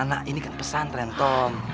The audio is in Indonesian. nah ini kan pesan renton